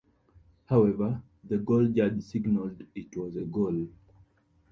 However, the goal judge signaled it was a goal.